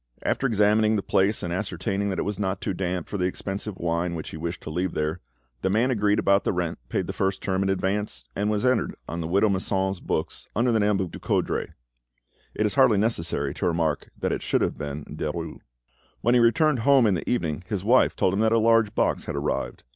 After examining the place, and ascertaining that it was not too damp for the expensive wine which he wished to leave there, the man agreed about the rent, paid the first term in advance, and was entered on the widow Masson's books under the name of Ducoudray. It is hardly necessary to remark that it should have been Derues. When he returned home in the evening, his wife told him that a large box had arrived.